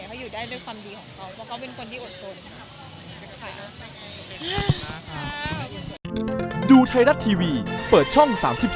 เขาอยู่ได้ด้วยความดีของเขาเพราะเขาเป็นคนที่อดทน